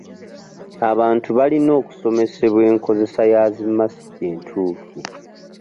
Abantu balina okusomesebwa enkozesa ya zi masiki entuufu.